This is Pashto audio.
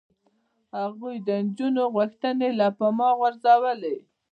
هغوی د نجونو غوښتنې له پامه غورځولې.